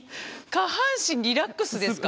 下半身リラックスですか？